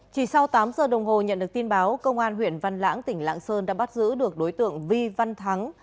chỉ sau tám giờ đồng hồ nhận được tin báo công an huyện văn lãng tỉnh lạng sơn đã bắt giữ được đối tượng vi văn thắng